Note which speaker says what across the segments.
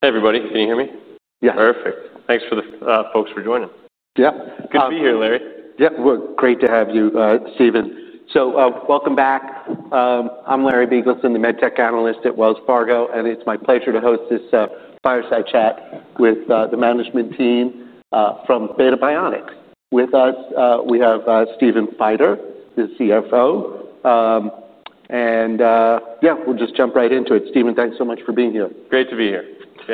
Speaker 1: Hey, everybody. Can you hear me?
Speaker 2: Yeah.
Speaker 1: Perfect. Thanks to the folks for joining.
Speaker 2: Yeah.
Speaker 1: Good to be here, Larry.
Speaker 2: Great to have you, Stephen. Welcome back. I'm Larry Biegelsen, the MedTech Analyst at Wells Fargo, and it's my pleasure to host this fireside chat with the management team from Beta Bionics. With us, we have Stephen Feider, the CFO. We'll just jump right into it. Stephen, thanks so much for being here.
Speaker 1: Great to be here.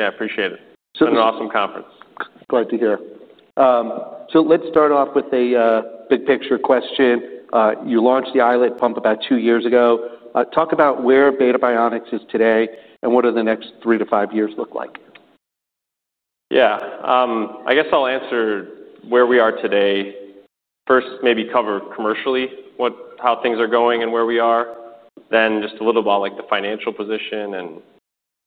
Speaker 1: I appreciate it. It's been an awesome conference.
Speaker 2: Glad to hear. Let's start off with a big picture question. You launched the iLet pump about two years ago. Talk about where Beta Bionics is today and what do the next three to five years look like?
Speaker 1: Yeah. I guess I'll answer where we are today. First, maybe cover commercially how things are going and where we are. Then just a little about the financial position and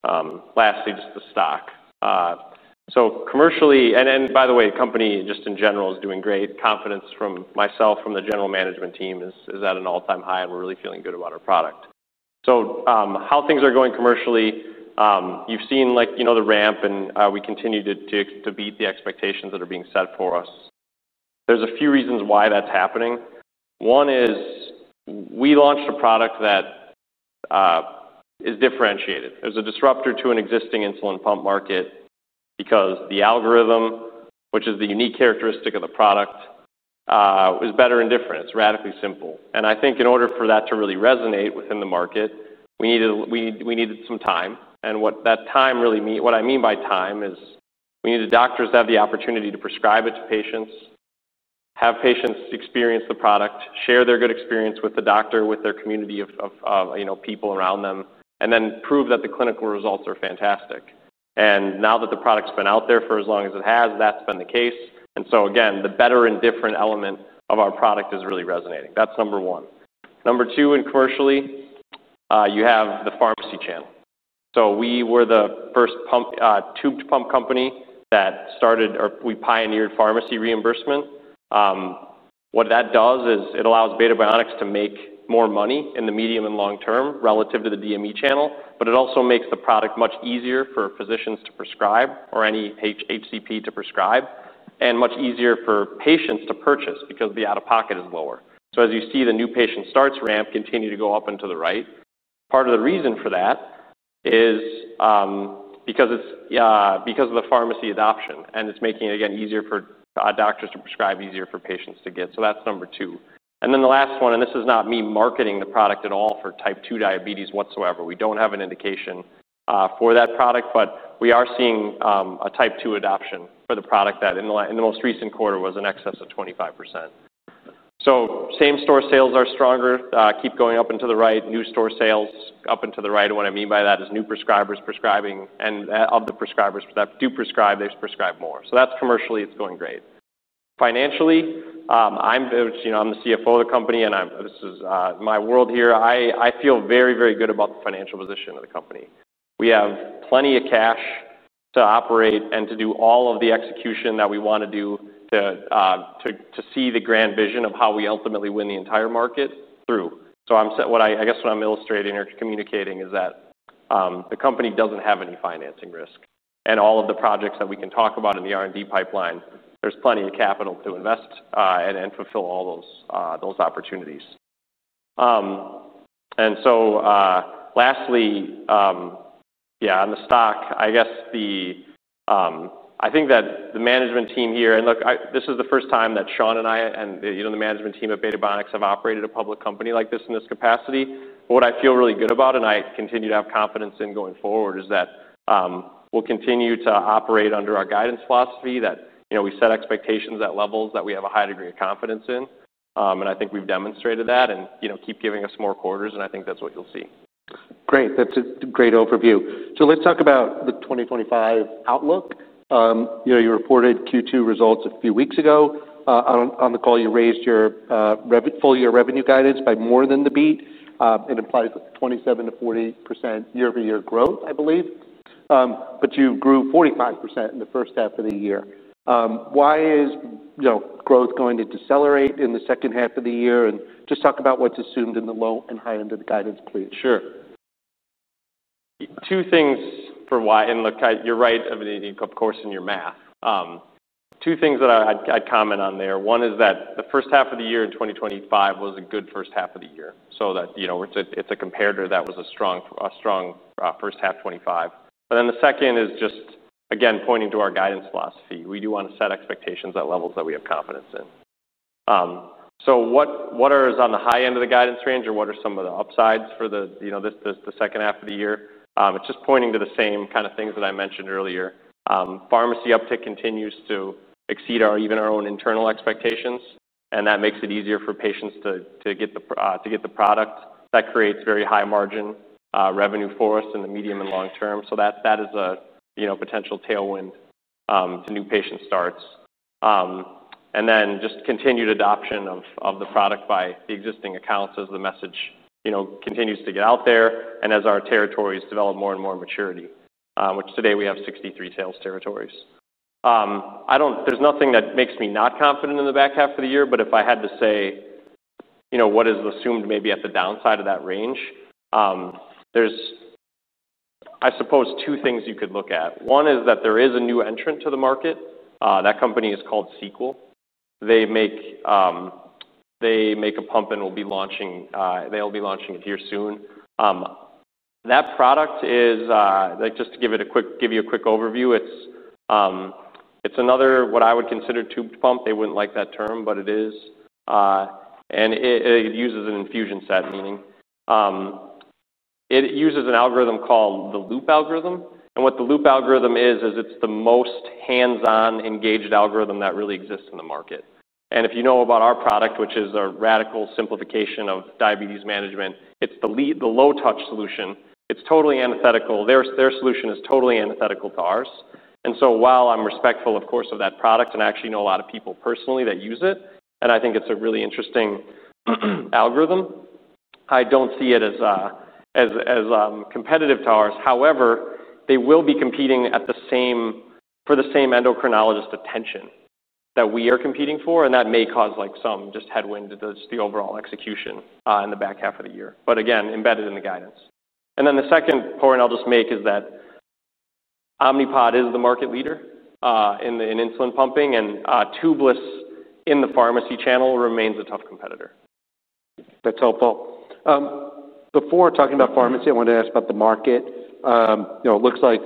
Speaker 1: lastly, just the stock. Commercially, and by the way, the company just in general is doing great. Confidence from myself, from the general management team is at an all-time high, and we're really feeling good about our product. How things are going commercially, you've seen the ramp and we continue to beat the expectations that are being set for us. There's a few reasons why that's happening. One is we launched a product that is differentiated. It was a disruptor to an existing insulin pump market because the algorithm, which is the unique characteristic of the product, is better and different. It's radically simple. I think in order for that to really resonate within the market, we needed some time. What that time really means, what I mean by time is we needed doctors to have the opportunity to prescribe it to patients, have patients experience the product, share their good experience with the doctor, with their community of people around them, and then prove that the clinical results are fantastic. Now that the product's been out there for as long as it has, that's been the case. The better and different element of our product is really resonating. That's number one. Number two, commercially, you have the pharmacy channel. We were the first tube to pump company that started, or we pioneered pharmacy reimbursement. What that does is it allows Beta Bionics to make more money in the medium and long term relative to the DME channel, but it also makes the product much easier for physicians to prescribe or any HCP to prescribe, and much easier for patients to purchase because the out-of-pocket is lower. As you see, the new patient starts ramp continue to go up and to the right. Part of the reason for that is because of the pharmacy adoption, and it's making it again easier for doctors to prescribe, easier for patients to get. That's number two. The last one, and this is not me marketing the product at all for type 2 diabetes whatsoever. We don't have an indication for that product, but we are seeing a type 2 adoption for the product that in the most recent quarter was in excess of 25%. Same store sales are stronger, keep going up and to the right, new store sales up and to the right. What I mean by that is new prescribers prescribing, and of the prescribers that do prescribe, they've prescribed more. Commercially, it's going great. Financially, I'm the CFO of the company, and this is my world here. I feel very, very good about the financial position of the company. We have plenty of cash to operate and to do all of the execution that we want to do to see the grand vision of how we ultimately win the entire market through. What I'm illustrating or communicating is that the company doesn't have any financing risk. All of the projects that we can talk about in the R&D pipeline, there's plenty of capital to invest and fulfill all those opportunities. Lastly, on the stock, I think that the management team here, and look, this is the first time that Sean and I and the management team at Beta Bionics have operated a public company like this in this capacity. What I feel really good about, and I continue to have confidence in going forward, is that we'll continue to operate under our guidance philosophy that we set expectations at levels that we have a high degree of confidence in. I think we've demonstrated that and keep giving us more quarters, and I think that's what you'll see.
Speaker 2: Great. That's a great overview. Let's talk about the 2025 outlook. You reported Q2 results a few weeks ago. On the call, you raised your full-year revenue guidance by more than the beat. It implies 27% - 40% year-over-year growth, I believe. You grew 45% in the first half of the year. Why is growth going to decelerate in the second half of the year? Just talk about what's assumed in the low and high end of the guidance, please.
Speaker 1: Sure. Two things for why, and look, you're right, I mean, of course, in your math. Two things that I'd comment on there. One is that the first half of the year in 2025 was a good first half of the year. So that it's a comparator that was a strong first half, 2025. The second is just, again, pointing to our guidance philosophy. We do want to set expectations at levels that we have confidence in. What is on the high end of the guidance range, or what are some of the upsides for the second half of the year? It's just pointing to the same kind of things that I mentioned earlier. Pharmacy uptake continues to exceed even our own internal expectations, and that makes it easier for patients to get the product. That creates very high margin revenue for us in the medium and long term. That is a potential tailwind to new patient starts. Continued adoption of the product by the existing accounts as the message continues to get out there, and as our territories develop more and more maturity, which today we have 63 sales territories. There's nothing that makes me not confident in the back half of the year, but if I had to say what is assumed maybe at the downside of that range, there's, I suppose, two things you could look at. One is that there is a new entrant to the market. That company is called Sequel. They make a pump and will be launching, they'll be launching it here soon. That product is, just to give you a quick overview, it's another, what I would consider, tube pump. They wouldn't like that term, but it is. It uses an infusion set, meaning it uses an algorithm called the loop algorithm. What the loop algorithm is, is it's the most hands-on engaged algorithm that really exists in the market. If you know about our product, which is a radical simplification of diabetes management, it's the low-touch solution. It's totally antithetical. Their solution is totally antithetical to ours. While I'm respectful, of course, of that product, and I actually know a lot of people personally that use it, and I think it's a really interesting algorithm, I don't see it as competitive to ours. However, they will be competing for the same endocrinologist attention that we are competing for, and that may cause some just headwind to the overall execution in the back half of the year. Again, embedded in the guidance. The second point I'll just make is that Omnipod is the market leader in insulin pumping, and tubeless in the pharmacy channel remains a tough competitor.
Speaker 2: That's helpful. Before talking about pharmacy, I wanted to ask about the market. It looks like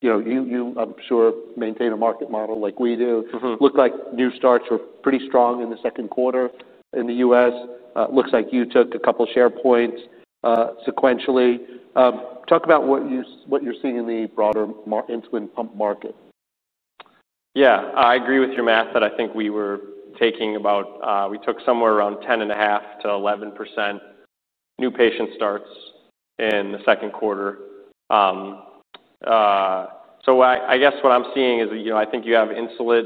Speaker 2: you, I'm sure, maintain a market model like we do. It looked like new starts were pretty strong in the second quarter in the U.S. It looks like you took a couple of share points sequentially. Talk about what you're seeing in the broader insulin pump market.
Speaker 1: Yeah, I agree with your math, but I think we were talking about, we took somewhere around 10.5% - 11% new patient starts in the second quarter. I guess what I'm seeing is that I think you have Insulet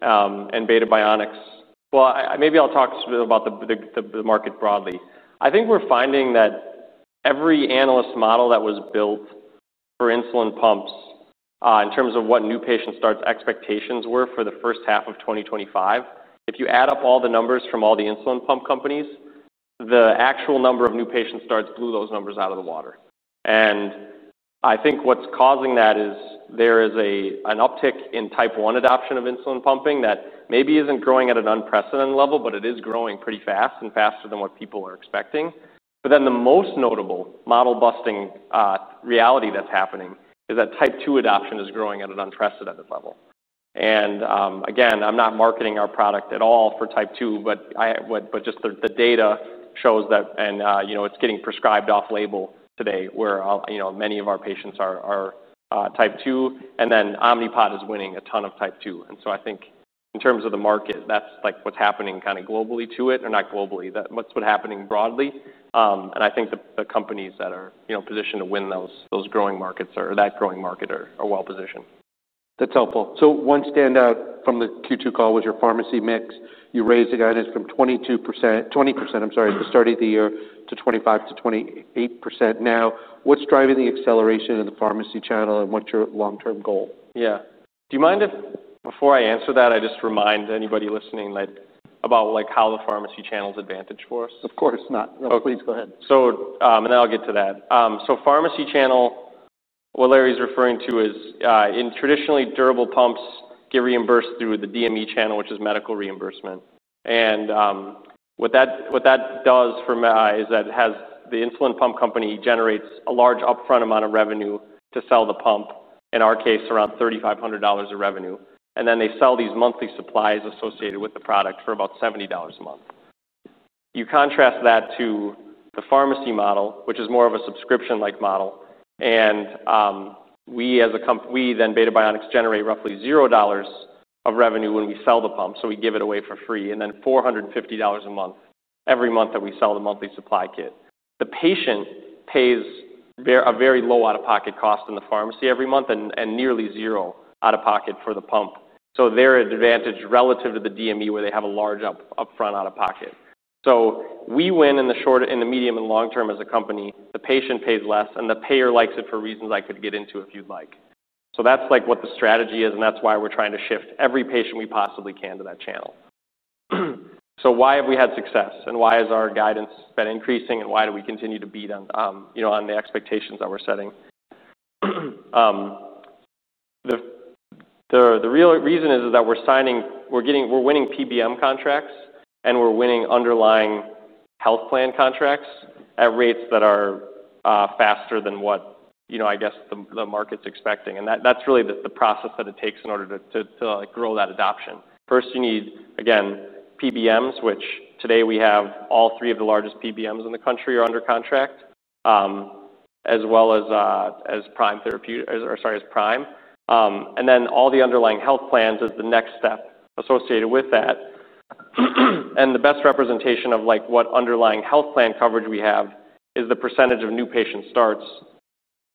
Speaker 1: and Beta Bionics. Maybe I'll talk about the market broadly. I think we're finding that every analyst model that was built for insulin pumps, in terms of what new patient starts expectations were for the first half of 2025, if you add up all the numbers from all the insulin pump companies, the actual number of new patient starts blew those numbers out of the water. I think what's causing that is there is an uptick in type 1 adoption of insulin pumping that maybe isn't growing at an unprecedented level, but it is growing pretty fast and faster than what people are expecting. The most notable model-busting reality that's happening is that type 2 adoption is growing at an unprecedented level. Again, I'm not marketing our product at all for type 2, but just the data shows that, and it's getting prescribed off-label today where many of our patients are type 2, and then Omnipod is winning a ton of type 2. I think in terms of the market, that's what's happening kind of broadly to it, or not globally, that's what's happening broadly. I think the companies that are positioned to win those growing markets or that growing market are well positioned.
Speaker 2: That's helpful. One standout from the Q2 call was your pharmacy mix. You raised the guidance from 22%, 20%, I'm sorry, at the start of the year to 25% - 28% now. What's driving the acceleration of the pharmacy channel, and what's your long-term goal?
Speaker 1: Yeah. Do you mind if, before I answer that, I just remind anybody listening about how the pharmacy channel's advantage for us?
Speaker 2: Of course, please go ahead.
Speaker 1: Pharmacy channel, what Larry's referring to is in traditionally durable pumps get reimbursed through the DME channel, which is medical reimbursement. What that does for me is that it has the insulin pump company generate a large upfront amount of revenue to sell the pump, in our case, around $3,500 of revenue. Then they sell these monthly supplies associated with the product for about $70 a month. You contrast that to the pharmacy model, which is more of a subscription-like model. We as a company, we then Beta Bionics generate roughly $0 of revenue when we sell the pump. We give it away for free, and then $450 a month every month that we sell the monthly supply kit. The patient pays a very low out-of-pocket cost in the pharmacy every month and nearly zero out-of-pocket for the pump. Their advantage relative to the DME where they have a large upfront out-of-pocket. We win in the short, in the medium, and long term as a company. The patient pays less, and the payer likes it for reasons I could get into if you'd like. That is what the strategy is, and that is why we're trying to shift every patient we possibly can to that channel. Why have we had success, and why has our guidance been increasing, and why do we continue to beat on the expectations that we're setting? The real reason is that we're signing, we're winning PBM contracts, and we're winning underlying health plan contracts at rates that are faster than what I guess the market's expecting. That is really the process that it takes in order to grow that adoption. First, you need, again, PBMs, which today we have all three of the largest PBMs in the country are under contract, as well as Prime. Then all the underlying health plans are the next step associated with that. The best representation of what underlying health plan coverage we have is the percentage of new patient starts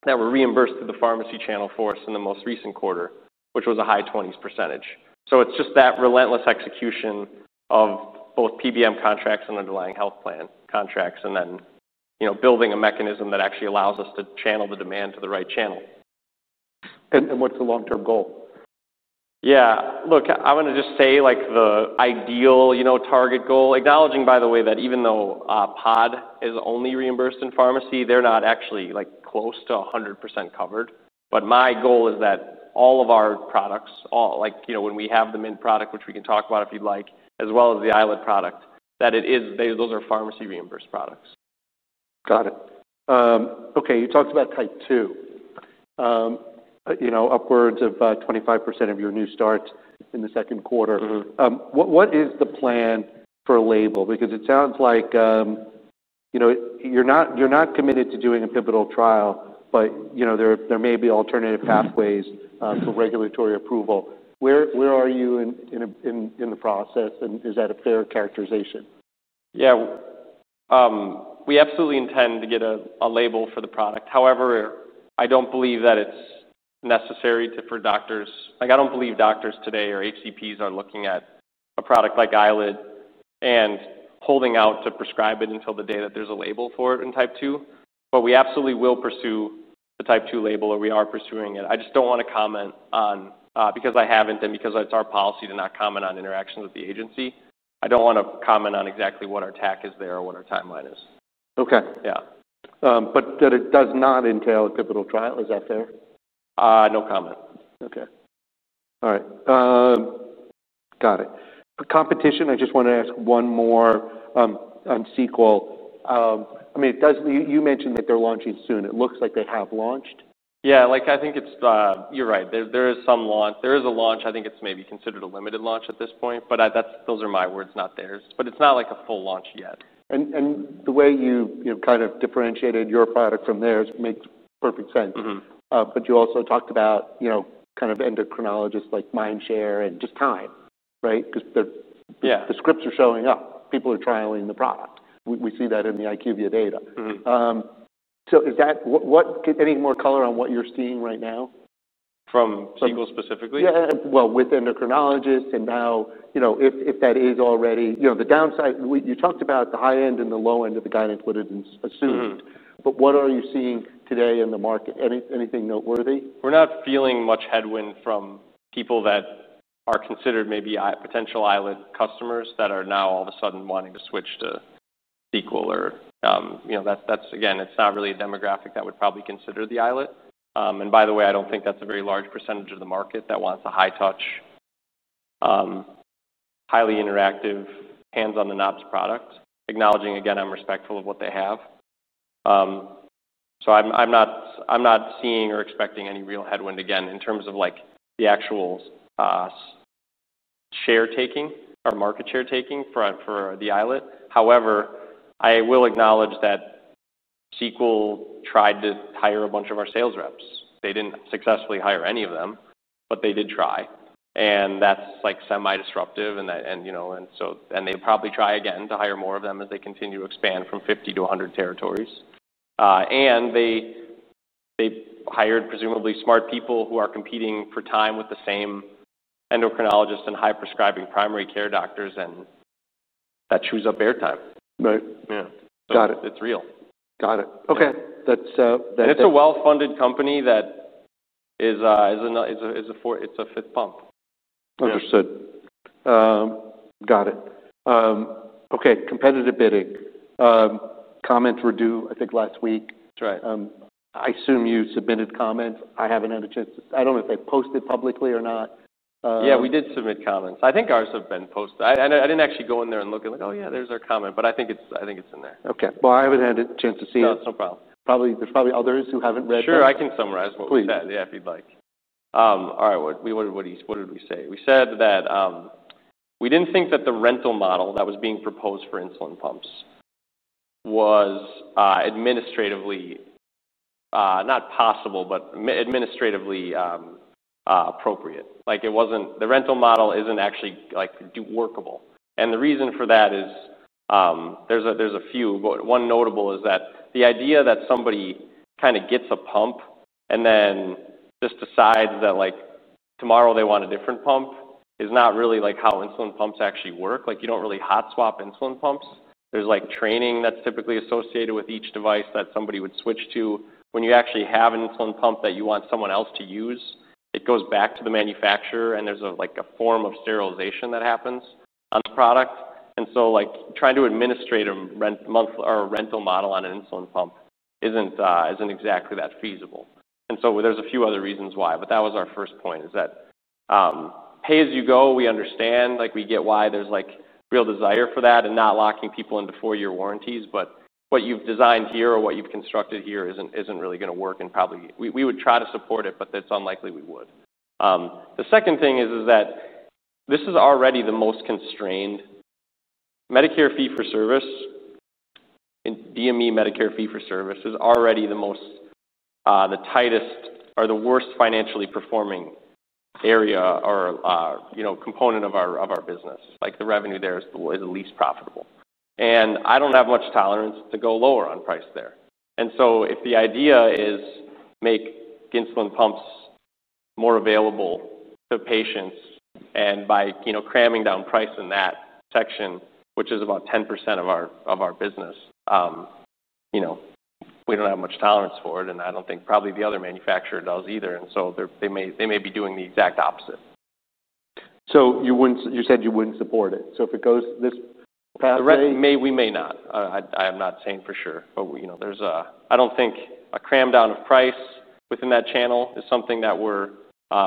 Speaker 1: that were reimbursed through the pharmacy channel for us in the most recent quarter, which was a high 20% percentage. It is just that relentless execution of both PBM contracts and underlying health plan contracts, and then building a mechanism that actually allows us to channel the demand to the right channel.
Speaker 2: What is the long-term goal?
Speaker 1: Yeah, look, I'm going to just say like the ideal target goal, acknowledging, by the way, that even though [pod] is only reimbursed in pharmacy, they're not actually close to 100% covered. My goal is that all of our products, all like when we have the Mint product, which we can talk about if you'd like, as well as the iLet product, that those are pharmacy reimbursed products.
Speaker 2: Got it. Okay, you talked about type 2, upwards of 25% of your new starts in the second quarter. What is the plan for label? Because it sounds like you're not committed to doing a pivotal trial, but there may be alternative pathways for regulatory approval. Where are you in the process, and is that a fair characterization?
Speaker 1: Yeah, we absolutely intend to get a label for the product. However, I don't believe that it's necessary for doctors. I don't believe doctors today or HCPs are looking at a product like iLet and holding out to prescribe it until the day that there's a label for it in type 2. We absolutely will pursue the type 2 label, or we are pursuing it. I just don't want to comment on, because I haven't, and because it's our policy to not comment on interactions with the agency, I don't want to comment on exactly what our tack is there or what our timeline is.
Speaker 2: Okay.
Speaker 1: Yeah.
Speaker 2: That does not entail a pivotal trial. Is that fair?
Speaker 1: No comment.
Speaker 2: Okay. All right. Got it. Competition, I just want to ask one more on Sequel. I mean, you mentioned that they're launching soon. It looks like they have launched.
Speaker 1: Yeah, I think it's, you're right. There is some launch. There is a launch. I think it's maybe considered a limited launch at this point, but those are my words, not theirs. It's not like a full launch yet.
Speaker 2: The way you kind of differentiated your product from theirs makes perfect sense. You also talked about kind of endocrinologists like [Mindshare and just time], right? Because the scripts are showing up. People are trialing the product. We see that in the IQVIA data. Is that, what, any more color on what you're seeing right now?
Speaker 1: From Sequel specifically?
Speaker 2: With endocrinologists and now, if that is already the downside, you talked about the high end and the low end of the guidance, what it assumed. What are you seeing today in the market? Anything noteworthy?
Speaker 1: We're not feeling much headwind from people that are considered maybe potential iLet customers that are now all of a sudden wanting to switch to Sequel. It's not really a demographic that would probably consider the iLet. By the way, I don't think that's a very large % of the market that wants a high-touch, highly interactive, hands-on-the-knobs product. Acknowledging, again, I'm respectful of what they have. I'm not seeing or expecting any real headwind, again, in terms of the actual share-taking or market share-taking for the iLet. However, I will acknowledge that Sequel tried to hire a bunch of our sales reps. They didn't successfully hire any of them, but they did try. That's like semi-disruptive. They probably try again to hire more of them as they continue to expand from 50 - 100 territories. They hired presumably smart people who are competing for time with the same endocrinologists and high-prescribing primary care doctors, and that chews up airtime.
Speaker 2: Right, yeah. Got it.
Speaker 1: It's real.
Speaker 2: Got it. Okay.
Speaker 1: It's a well-funded company that is a fifth pump.
Speaker 2: Understood. Got it. Okay, competitive bidding. Comments were due, I think, last week.
Speaker 1: That's right.
Speaker 2: I assume you submitted comments. I haven't had a chance to. I don't know if they've posted publicly or not.
Speaker 1: Yeah, we did submit comments. I think ours have been posted. I didn't actually go in there and look at, like, oh yeah, there's our comment, but I think it's in there.
Speaker 2: Okay. I haven't had a chance to see it.
Speaker 1: No problem.
Speaker 2: There's probably others who haven't read them.
Speaker 1: Sure, I can summarize what we said, yeah, if you'd like. All right, what did we say? We said that we didn't think that the proposed rental model that was being proposed for insulin pumps was administratively not possible, but administratively appropriate. Like it wasn't, the rental model isn't actually workable. The reason for that is there's a few, but one notable is that the idea that somebody kind of gets a pump and then just decides that like tomorrow they want a different pump is not really how insulin pumps actually work. You don't really hot swap insulin pumps. There's training that's typically associated with each device that somebody would switch to. When you actually have an insulin pump that you want someone else to use, it goes back to the manufacturer, and there's a form of sterilization that happens on the product. Trying to administrate a rental model on an insulin pump isn't exactly that feasible. There are a few other reasons why, but that was our first point. Pay as you go, we understand, we get why there's real desire for that and not locking people into four-year warranties. What you've designed here or what you've constructed here isn't really going to work, and probably we would try to support it, but it's unlikely we would. The second thing is that this is already the most constrained. Medicare fee-for-service, DME Medicare fee-for-service is already the tightest or the worst financially performing area or component of our business. The revenue there is the least profitable. I don't have much tolerance to go lower on price there. If the idea is to make insulin pumps more available to patients and by cramming down price in that section, which is about 10% of our business, we don't have much tolerance for it, and I don't think probably the other manufacturer does either. They may be doing the exact opposite.
Speaker 2: You said you wouldn't support it if it goes this pathway.
Speaker 1: We may not. I am not saying for sure, but I don't think a cram down of price within that channel is something that we're, a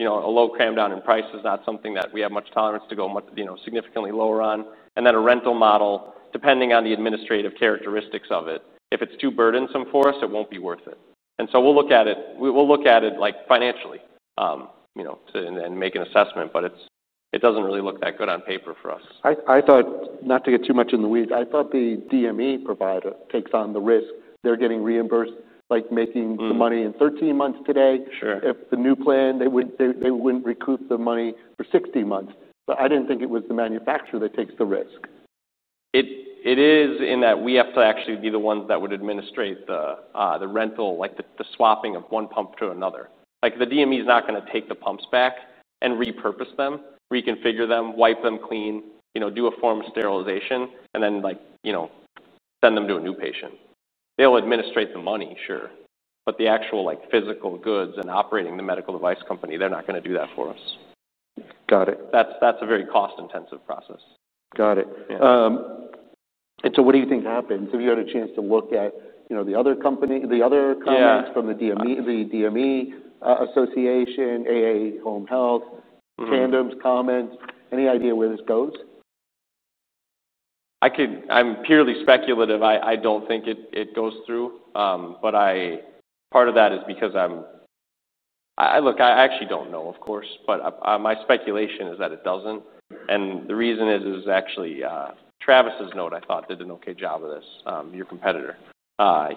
Speaker 1: low cram down in price is not something that we have much tolerance to go significantly lower on. A rental model, depending on the administrative characteristics of it, if it's too burdensome for us, it won't be worth it. We will look at it financially and make an assessment, but it doesn't really look that good on paper for us.
Speaker 2: I thought, not to get too much in the weeds, I thought the DME provider takes on the risk. They're getting reimbursed, like making the money in 13 months today.
Speaker 1: Sure.
Speaker 2: If the new plan, they wouldn't recoup the money for 60 months. I didn't think it was the manufacturer that takes the risk.
Speaker 1: It is in that we have to actually be the ones that would administrate the rental, like the swapping of one pump to another. The DME is not going to take the pumps back and repurpose them, reconfigure them, wipe them clean, do a form of sterilization, and then send them to a new patient. They'll administrate the money, sure, but the actual physical goods and operating the medical device company, they're not going to do that for us.
Speaker 2: Got it.
Speaker 1: That's a very cost-intensive process.
Speaker 2: Got it. What do you think happens? Have you had a chance to look at the other companies from the DME association, A&A Home Health, Tandem's comments, any idea where this goes?
Speaker 1: I'm purely speculative. I don't think it goes through. Part of that is because, look, I actually don't know, of course, but my speculation is that it doesn't. The reason is actually, Travis' note, I thought did an okay job of this, your competitor.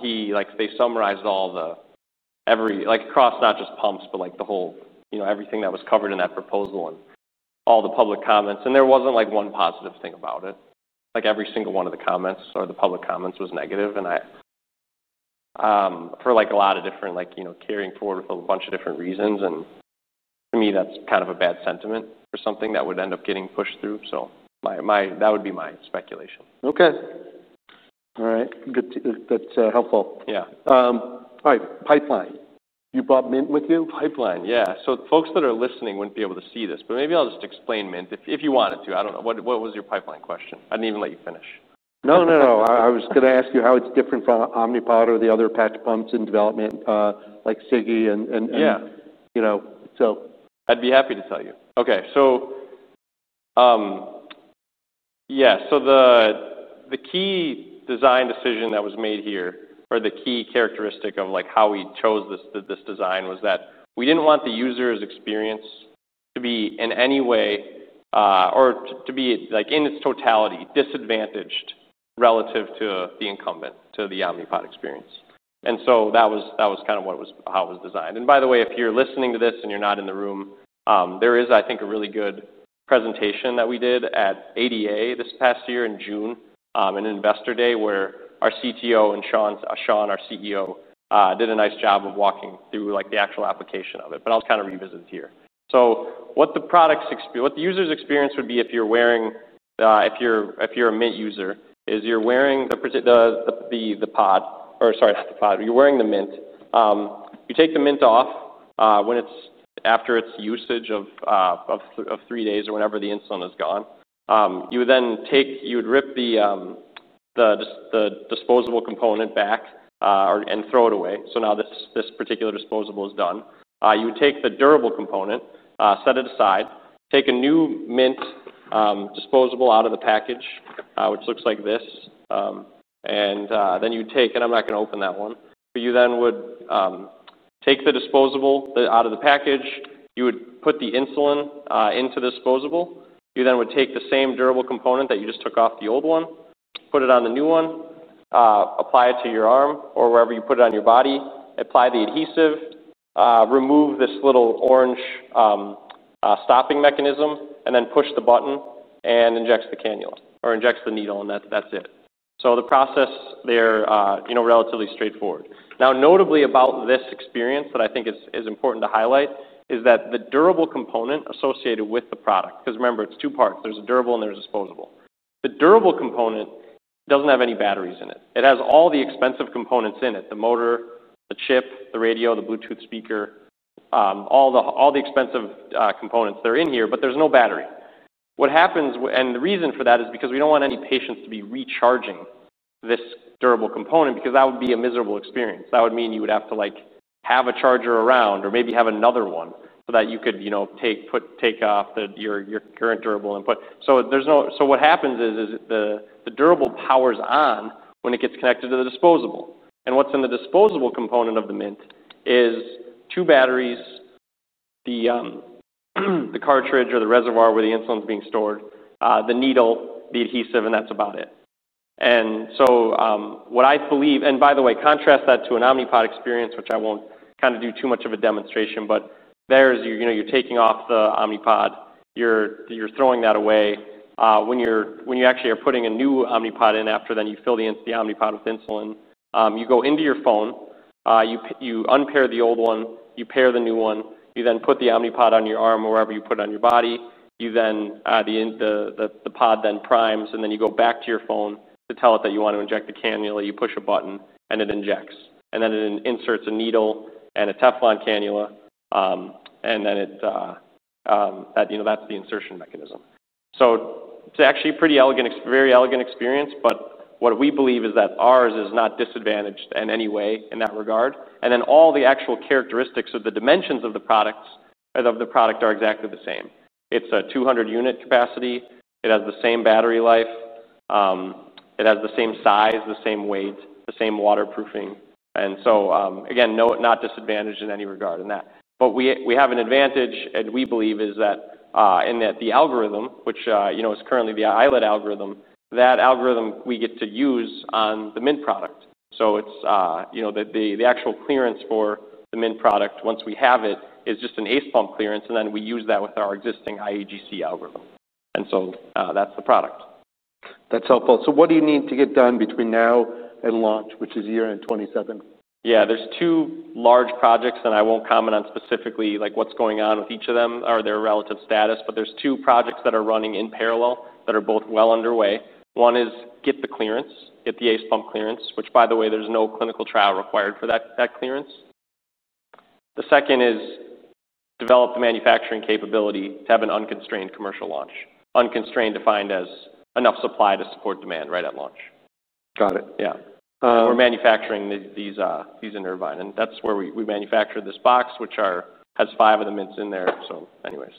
Speaker 1: He summarized all the, every, like across not just pumps, but like the whole, you know, everything that was covered in that proposal and all the public comments. There wasn't like one positive thing about it. Every single one of the comments or the public comments was negative, and for like a lot of different, like carrying forward with a bunch of different reasons. To me, that's kind of a bad sentiment for something that would end up getting pushed through. That would be my speculation.
Speaker 2: Okay. All right. That's helpful.
Speaker 1: Yeah.
Speaker 2: All right. Pipeline. You brought Mint with you?
Speaker 1: Pipeline, yeah. Folks that are listening wouldn't be able to see this, but maybe I'll just explain Mint if you wanted to. I don't know. What was your pipeline question? I didn't even let you finish.
Speaker 2: I was going to ask you how it's different from Omnipod or the other patch pumps in development, like Sigi, and yeah, you know.
Speaker 1: I'd be happy to tell you. The key design decision that was made here, or the key characteristic of how we chose this design, was that we didn't want the user's experience to be in any way, or to be in its totality, disadvantaged relative to the incumbent, to the Omnipod experience. That was kind of how it was designed. By the way, if you're listening to this and you're not in the room, there is, I think, a really good presentation that we did at ADA this past year in June, an investor day where our CTO and Sean, our CEO, did a nice job of walking through the actual application of it. I'll revisit it here. What the user's experience would be if you're wearing, if you're a Mint user, is you're wearing the Mint. You take the Mint off when it's after its usage of three days or whenever the insulin is gone. You would then take, you would rip the disposable component back and throw it away. Now this particular disposable is done. You would take the durable component, set it aside, take a new Mint disposable out of the package, which looks like this. Then you would take, and I'm not going to open that one, but you then would take the disposable out of the package. You would put the insulin into the disposable. You then would take the same durable component that you just took off the old one, put it on the new one, apply it to your arm or wherever you put it on your body, apply the adhesive, remove this little orange stopping mechanism, and then push the button and inject the cannula or inject the needle, and that's it. The process there is relatively straightforward. Notably about this experience that I think is important to highlight is that the durable component associated with the product, because remember, it's two parts. There's a durable and there's a disposable. The durable component doesn't have any batteries in it. It has all the expensive components in it: the motor, the chip, the radio, the Bluetooth speaker, all the expensive components. They're in here, but there's no battery. What happens, and the reason for that is because we don't want any patients to be recharging this durable component because that would be a miserable experience. That would mean you would have to have a charger around or maybe have another one so that you could take off your current durable input. What happens is the durable powers on when it gets connected to the disposable. What's in the disposable component of the Mint is two batteries, the cartridge or the reservoir where the insulin is being stored, the needle, the adhesive, and that's about it. By the way, contrast that to an Omnipod experience, which I won't do too much of a demonstration, but there's your, you know, you're taking off the Omnipod, you're throwing that away. When you actually are putting a new Omnipod in after, then you fill the Omnipod with insulin, you go into your phone, you unpair the old one, you pair the new one, you then put the Omnipod on your arm or wherever you put it on your body. The Pod then primes, and you go back to your phone to tell it that you want to inject the cannula, you push a button, and it injects. It inserts a needle and a Teflon cannula, and that's the insertion mechanism. It's actually a pretty elegant, very elegant experience, but what we believe is that ours is not disadvantaged in any way in that regard. All the actual characteristics of the dimensions of the products are exactly the same. It's a 200 unit capacity. It has the same battery life. It has the same size, the same weight, the same waterproofing. Again, not disadvantaged in any regard in that. We have an advantage, and we believe is that the algorithm, which is currently the iLet algorithm, that algorithm we get to use on the Mint product. The actual clearance for the Mint product, once we have it, is just an ACE pump clearance, and then we use that with our existing IAGC algorithm. That's the product.
Speaker 2: That's helpful. What do you need to get done between now and launch, which is year end 2027?
Speaker 1: Yeah, there's two large projects, and I won't comment on specifically like what's going on with each of them or their relative status, but there's two projects that are running in parallel that are both well underway. One is get the clearance, get the ACE pump clearance, which by the way, there's no clinical trial required for that clearance. The second is develop the manufacturing capability to have an unconstrained commercial launch, unconstrained defined as enough supply to support demand right at launch.
Speaker 2: Got it.
Speaker 1: Yeah. We're manufacturing these in Irvine, and that's where we manufacture this box, which has five of the Mints in there. Anyways.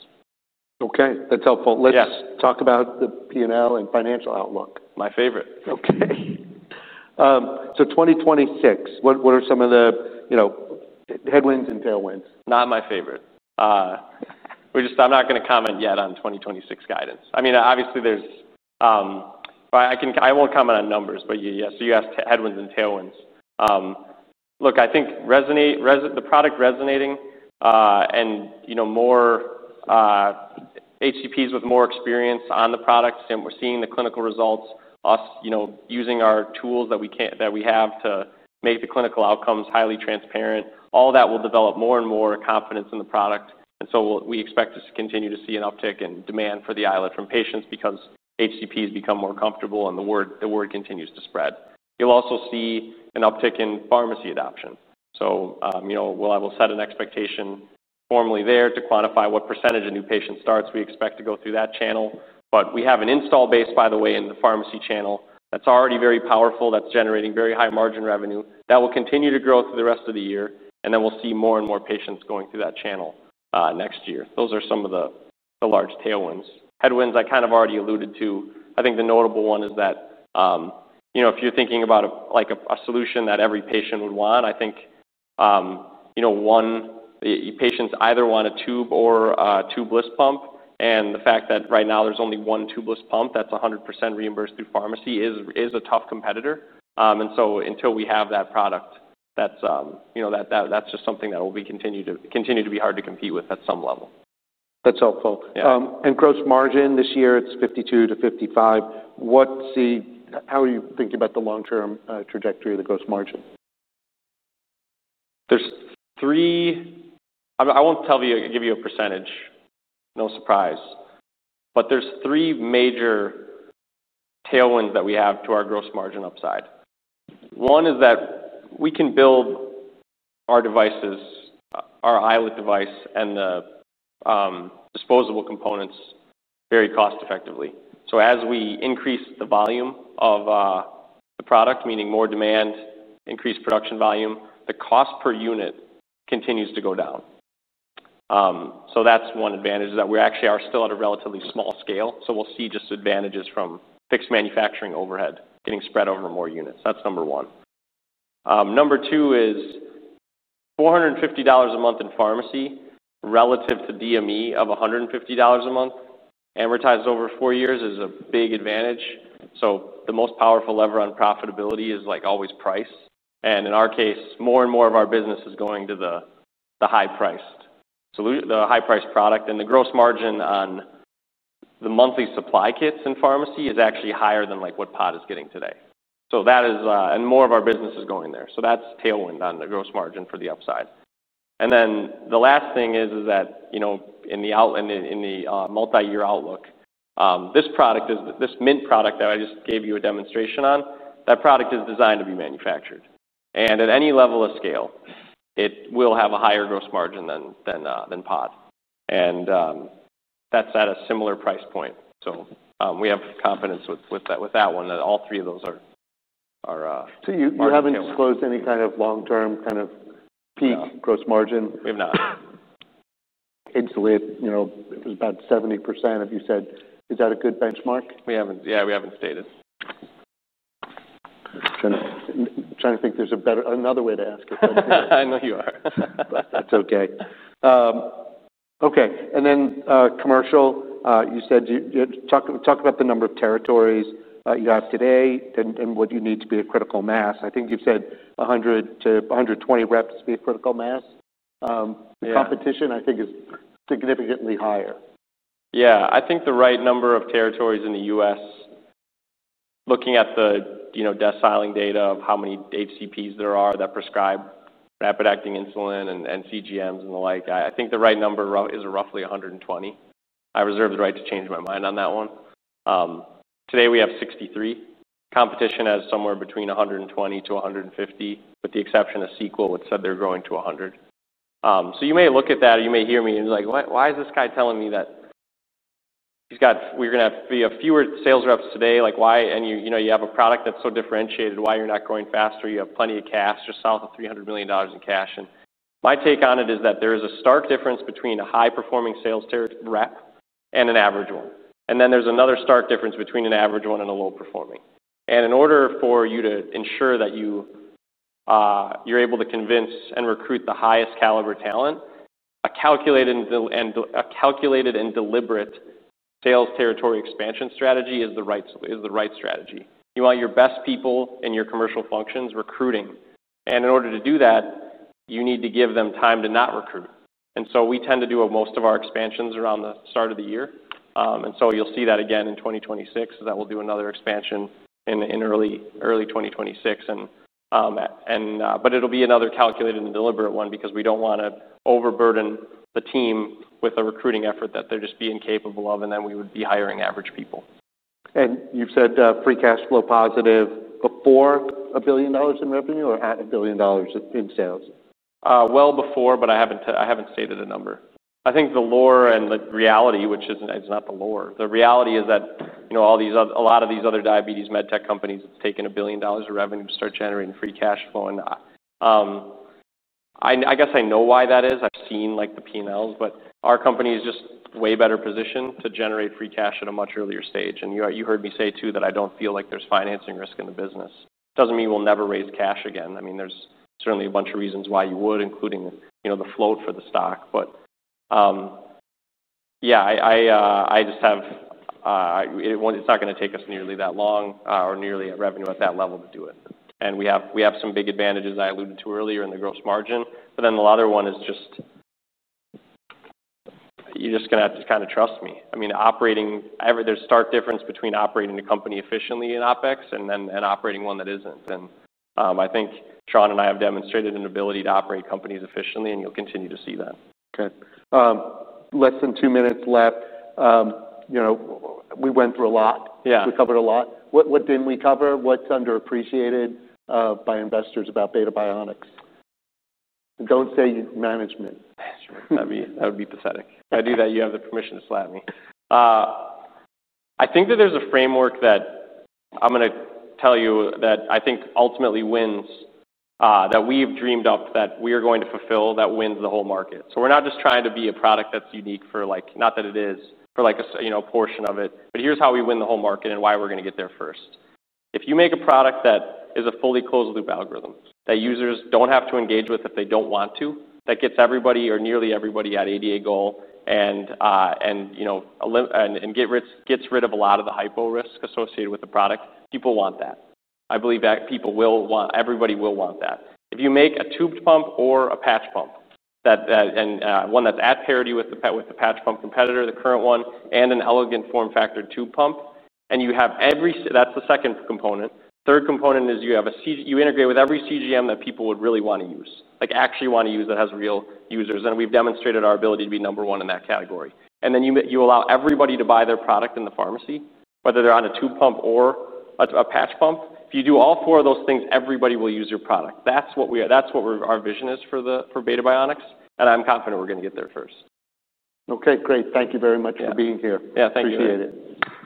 Speaker 2: Okay, that's helpful. Let's talk about the P&L and financial outlook.
Speaker 1: My favorite.
Speaker 2: Okay. 2026, what are some of the headwinds and tailwinds?
Speaker 1: Not my favorite. I'm not going to comment yet on 2026 guidance. Obviously, I won't comment on numbers, but yes, you asked headwinds and tailwinds. Look, I think the product resonating and more HCPs with more experience on the product, and we're seeing the clinical results using our tools that we have to make the clinical outcomes highly transparent. All that will develop more and more confidence in the product. We expect us to continue to see an uptick in demand for the iLet from patients because HCPs become more comfortable and the word continues to spread. You'll also see an uptick in pharmacy adoption. I will set an expectation formally there to quantify what percentage of new patient starts we expect to go through that channel. We have an install base, by the way, in the pharmacy channel that's already very powerful, that's generating very high margin revenue, that will continue to grow through the rest of the year. We'll see more and more patients going through that channel next year. Those are some of the large tailwinds. Headwinds I kind of already alluded to. I think the notable one is that if you're thinking about a solution that every patient would want, I think one patient's either want a tube or a tubeless pump. The fact that right now there's only one tubeless pump that's 100% reimbursed through pharmacy is a tough competitor. Until we have that product, that's just something that will continue to be hard to compete with at some level.
Speaker 2: That's helpful. Gross margin this year, it's 52% - 55%. What's the, how are you thinking about the long-term trajectory of the gross margin?
Speaker 1: There's three, I won't give you a percentage, no surprise, but there's three major tailwinds that we have to our gross margin upside. One is that we can build our devices, our iLet device and the disposable components very cost-effectively. As we increase the volume of the product, meaning more demand, increased production volume, the cost per unit continues to go down. That's one advantage, that we actually are still at a relatively small scale. We'll see just advantages from fixed manufacturing overhead getting spread over more units. That's number one. Number two is $450 a month in pharmacy relative to DME of $150 a month. Amortized over four years is a big advantage. The most powerful lever on profitability is like always price. In our case, more and more of our business is going to the high-priced product. The gross margin on the monthly supply kits in pharmacy is actually higher than like what Pod is getting today. That is, and more of our business is going there. That's tailwind on the gross margin for the upside. The last thing is that, you know, in the multi-year outlook, this product is this Mint product that I just gave you a demonstration on. That product is designed to be manufactured. At any level of scale, it will have a higher gross margin than Pod. That's at a similar price point. We have confidence with that one that all three of those are.
Speaker 2: You haven't disclosed any kind of long-term kind of peak gross margin?
Speaker 1: We have not.
Speaker 2: Insulet, you know, it was about 70%, have you said, is that a good benchmark?
Speaker 1: We haven't stayed at.
Speaker 2: I'm trying to think if there's a better, another way to ask it.
Speaker 1: I know you are.
Speaker 2: That's okay. Okay. You said you talk about the number of territories you have today and what you need to be a critical mass. I think you've said 100 - 120 reps to be a critical mass. Competition, I think, is significantly higher.
Speaker 1: Yeah, I think the right number of territories in the U.S., looking at the deciling data of how many HCPs there are that prescribe rapid-acting insulin and CGMs and the like, I think the right number is roughly 120. I reserve the right to change my mind on that one. Today we have 63. Competition has somewhere between 120 - 150, with the exception of Sequel, which said they're going to 100. You may look at that or you may hear me and you're like, why is this guy telling me that he's got, we're going to have fewer sales reps today? Like why? You have a product that's so differentiated, why you're not going faster? You have plenty of cash, just south of $300 million in cash. My take on it is that there is a stark difference between a high-performing sales rep and an average one. Then there's another stark difference between an average one and a low-performing. In order for you to ensure that you're able to convince and recruit the highest caliber talent, a calculated and deliberate sales territory expansion strategy is the right strategy. You want your best people in your commercial functions recruiting. In order to do that, you need to give them time to not recruit. We tend to do most of our expansions around the start of the year. You'll see that again in 2026, is that we'll do another expansion in early 2026. It'll be another calculated and deliberate one because we don't want to overburden the team with a recruiting effort that they're just being capable of, and then we would be hiring average people.
Speaker 2: You've said free cash flow positive before $1 billion in revenue or at $1 billion in sales?
Speaker 1: I haven't stated a number. I think the lore and the reality, which is not the lore, the reality is that a lot of these other diabetes med tech companies, it's taken $1 billion of revenue to start generating free cash flow. I guess I know why that is. I've seen the P&Ls, but our company is just way better positioned to generate free cash at a much earlier stage. You heard me say too that I don't feel like there's financing risk in the business. It doesn't mean we'll never raise cash again. There are certainly a bunch of reasons why you would, including the float for the stock. I just have, it's not going to take us nearly that long or nearly revenue at that level to do it. We have some big advantages I alluded to earlier in the gross margin. The other one is just, you're just going to have to kind of trust me. Operating, there's a stark difference between operating a company efficiently in OpEx and then operating one that isn't. I think Sean and I have demonstrated an ability to operate companies efficiently, and you'll continue to see that.
Speaker 2: Okay, less than two minutes left. You know, we went through a lot.
Speaker 1: Yeah.
Speaker 2: We covered a lot. What didn't we cover? What's underappreciated by investors about Beta Bionics? Don't say management.
Speaker 1: That would be pathetic. I do that. You have the permission to slap me. I think that there's a framework that I'm going to tell you that I think ultimately wins that we've dreamed up that we are going to fulfill that wins the whole market. We're not just trying to be a product that's unique for, like, not that it is for, like, a portion of it, but here's how we win the whole market and why we're going to get there first. If you make a product that is a fully closed-loop algorithm that users don't have to engage with if they don't want to, that gets everybody or nearly everybody at ADA goal and gets rid of a lot of the hypo risk associated with the product, people want that. I believe that people will want, everybody will want that. If you make a tube pump or a patch pump, and one that's at parity with the patch pump competitor, the current one, and an elegant form factor tube pump, that's the second component. Third component is you integrate with every CGM that people would really want to use, like actually want to use that has real users. We've demonstrated our ability to be number one in that category. Then you allow everybody to buy their product in the pharmacy, whether they're on a tube pump or a patch pump. If you do all four of those things, everybody will use your product. That's what our vision is for Beta Bionics, and I'm confident we're going to get there first.
Speaker 2: Okay, great. Thank you very much for being here.
Speaker 1: Yeah, thanks. Thanks.